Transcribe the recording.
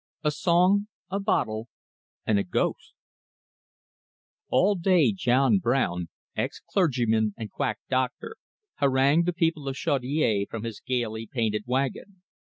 A SONG, A BOTTLE, AND A GHOST All day John Brown, ex clergyman and quack doctor, harangued the people of Chaudiere from his gaily painted wagon.